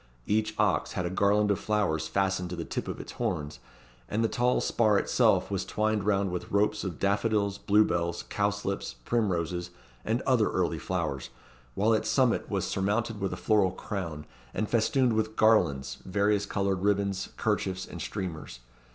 Each ox had a garland of flowers fastened to the tip of its horns; and the tall spar itself was twined round with ropes of daffodils, blue bells, cowslips, primroses, and other early flowers, while its summit was surmounted with a floral crown, and festooned with garlands, various coloured ribands, kerchiefs, and streamers.